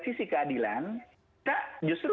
sisi keadilan tak justru